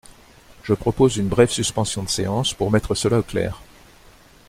Je propose une brève suspension de séance pour mettre cela au clair.